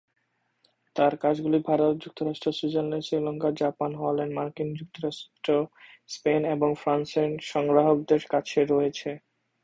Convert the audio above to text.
তাঁর কাজগুলি ভারত, যুক্তরাজ্য, সুইজারল্যান্ড, শ্রীলঙ্কা, জাপান, হল্যান্ড, মার্কিন যুক্তরাষ্ট্র, স্পেন এবং ফ্রান্সের সংগ্রাহকদের কাছে রয়েছে।